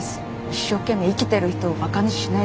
一生懸命生きてる人をバカにしないで。